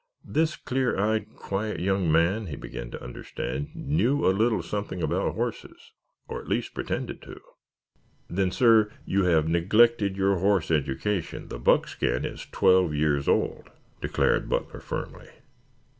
This clear eyed, quiet young man, he began to understand, knew a little something about horses, or at least pretended to. "Then, sir, you have neglected your horse education. The buckskin is twelve years old," declared Butler firmly.